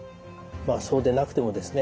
そうでなくてもですね